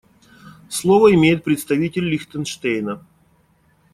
Слово имеет представитель Лихтенштейна.